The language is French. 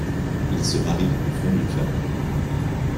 Ils se marient et fondent une famille.